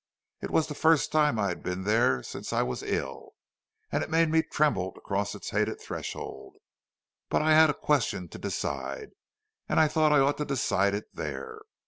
It was the first time I had been there since I was ill, and it made me tremble to cross its hated threshold, but I had a question to decide, and I thought I ought to decide it there.